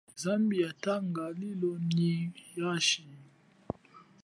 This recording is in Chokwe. Zambi yatanga lilo nyi hashi.